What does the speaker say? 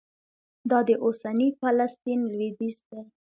دا د اوسني فلسطین لوېدیځ دی.